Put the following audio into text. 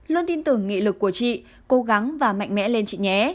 luôn tin tưởng nghị lực của chị cố gắng và mạnh mẽ lên chị nhé